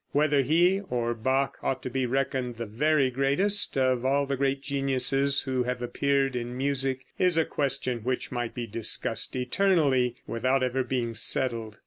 Whether he or Bach ought to be reckoned the very greatest of all the great geniuses who have appeared in music, is a question which might be discussed eternally without ever being settled.